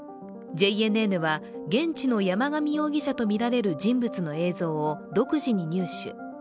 ＪＮＮは現地の山上容疑者とみられる人物の映像を独自に入手。